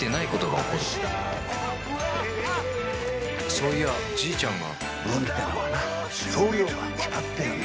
そういやじいちゃんが運ってのはな量が決まってるんだよ。